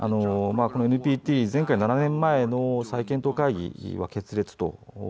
このＮＰＴ前回７年前の再検討会議は決裂と。